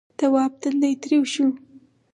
تواب تندی تريو شو.